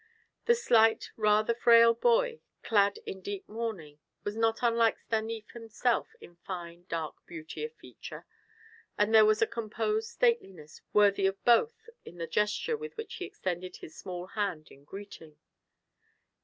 The slight, rather frail boy clad in deep mourning was not unlike Stanief himself in fine, dark beauty of feature, and there was a composed stateliness worthy of both in the gesture with which he extended his small hand in greeting.